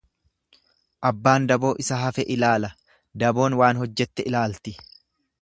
Abbaan daboo isa hafe ilaala daboon waan hojjette ilaalti.